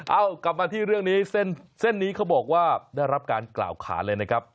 กลับมาที่เรื่องนี้เส้นนี้เขาบอกว่าได้รับการกล่าวขานเลยนะครับ